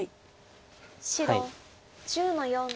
白１０の四。